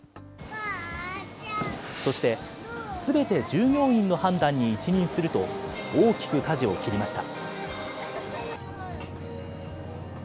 そして、すべて従業員の判断に一任すると、大きくかじを切りました。